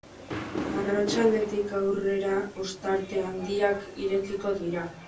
Arratsaldetik aurrera ostarte handiak irekiko dira.